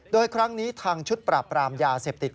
โดยครั้งนี้ทางชุดปราบปรามยาเสพติด